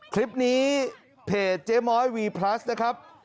คลิปนี้เพจเจ๊ม้อยวีพลัสนะครับ